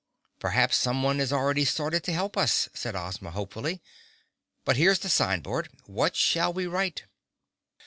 "Perhaps someone has already started to help us," said Ozma hopefully. "But here's the sign board. What shall we write?"